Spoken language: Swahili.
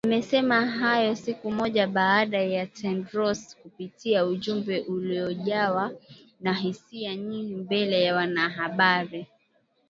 Amesema hayo siku moja baada ya Tedros kupitia ujumbe uliojawa na hisia nyingi mbele ya wanahabari